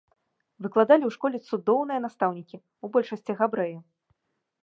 Выкладалі ў школе цудоўныя настаўнікі, у большасці габрэі.